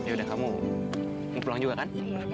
yaudah kamu mau pulang juga kan